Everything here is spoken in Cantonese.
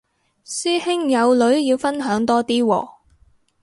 師兄有女要分享多啲喎